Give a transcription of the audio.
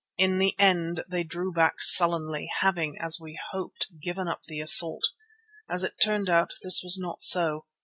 In the end they drew back sullenly, having, as we hoped, given up the assault. As it turned out, this was not so.